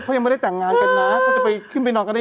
ขออีกทีอ่านอีกที